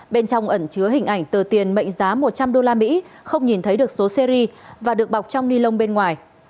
bên trong ẩn chứa hình ảnh tờ tiền mệnh giá một trăm linh usd không nhìn thấy được số series và được bọc trong ni lông bên ngoài